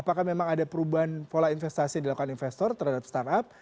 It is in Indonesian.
apakah memang ada perubahan pola investasi yang dilakukan investor terhadap startup